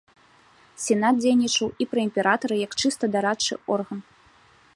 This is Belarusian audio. Сенат дзейнічаў і пры імператары як чыста дарадчы орган.